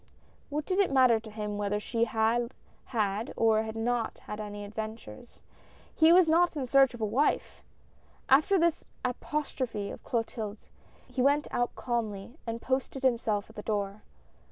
What did it matter to him whether she had had, or had not had any adventures ? He was not in search of a wife ! After this apostrophe of Clotilde's he went out calmly and posted himself at the door.